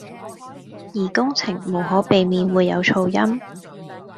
而工程無可避免會有噪音